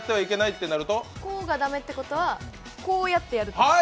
こうが駄目ってことはこうやってやる。